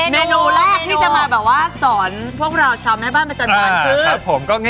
เมนูแรกที่จะมาแบบว่าสอนพวกเราชาวแม่บ้านประจำบานคือ